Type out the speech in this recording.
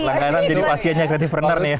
langganan jadi pasiennya creative pruner nih ya